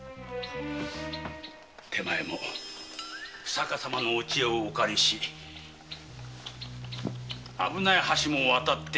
手前も日下様のお知恵をお借りし危ない橋も渡ってやっと手に入れました